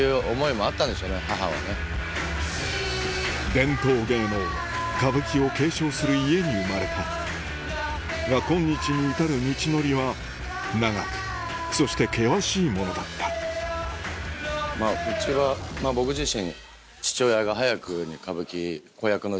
伝統芸能歌舞伎を継承する家に生まれたが今日に至る道のりは長くそして険しいものだったまぁうちは僕自身。